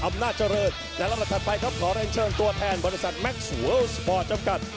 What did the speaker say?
มาพร้อมกับเข็มขัด๔๙กิโลกรัมซึ่งตอนนี้เป็นของวัดสินชัยครับ